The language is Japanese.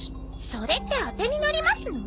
それって当てになりますの？